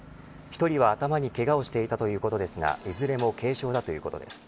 １人は頭にけがをしていたということですかいずれも軽傷だということです。